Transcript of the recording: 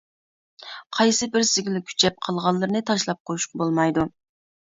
قايسى بىرسىگىلا كۈچەپ، قالغانلىرىنى تاشلاپ قويۇشقا بولمايدۇ.